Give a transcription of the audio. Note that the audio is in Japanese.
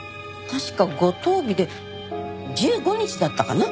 確か五十日で１５日だったかな。